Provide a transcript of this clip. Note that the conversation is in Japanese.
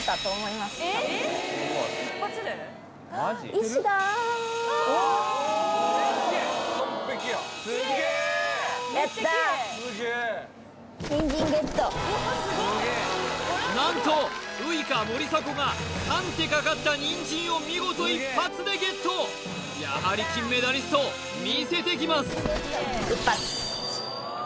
石が何とウイカ森迫が三手かかったニンジンを見事一発でＧＥＴやはり金メダリストみせてきます